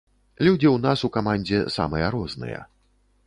Людзі ў нас у камандзе самыя розныя.